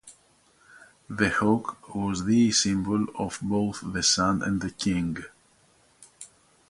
The hawk was thee symbol of both the sun and the king.